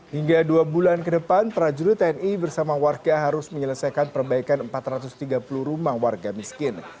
hingga dua bulan ke depan prajurit tni bersama warga harus menyelesaikan perbaikan empat ratus tiga puluh rumah warga miskin